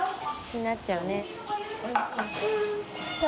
気になっちゃうね。